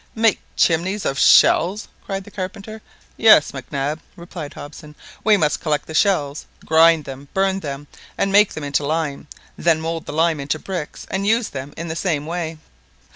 "Make chimneys of shells!" cried the carpenter. "Yes, Mac Nab," replied Hobson; "we must collect the shells, grind them, burn them, and make them into lime, then mould the lime into bricks, and use them in the same way."